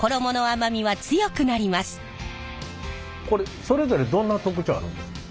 これそれぞれどんな特徴あるんですか？